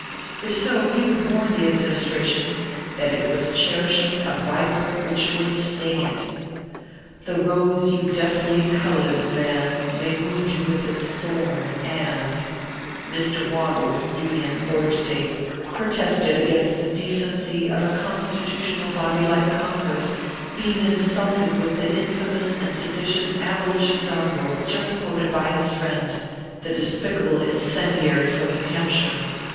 If so, he would warn the Administration that it was cherishing a viper which would sting it : The roso you deftly cull cd, man, May wound you with its thorn, And" Mr. WADDLES (Union, Border State) protested against the decency of a Constitutional body like Congress being insulted with the infamous and se ditious abolition doggerel just quoted by his friend, the despicable incendiary from New Hampshire.